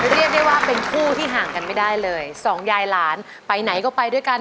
เรียกได้ว่าเป็นคู่ที่ห่างกันไม่ได้เลยสองยายหลานไปไหนก็ไปด้วยกัน